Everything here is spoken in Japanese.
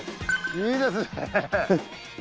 いいですね